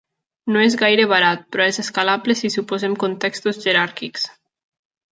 No és gaire barat, però és escalable si suposem contextos jeràrquics.